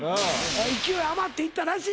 勢い余っていったらしい。